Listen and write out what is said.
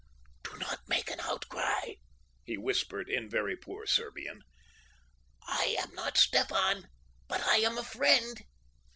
"Do not make an outcry," he whispered in very poor Serbian. "I am not Stefan; but I am a friend."